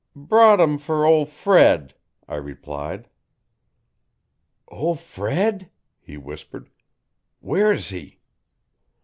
'Brought 'em fer ol' Fred,' I replied. 'Ol' Fred!' he whispered, 'where's he?'